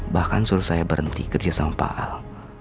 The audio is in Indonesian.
bahkan suruh saya berhenti kerja sama pak al